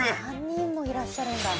３人もいらっしゃるんだ。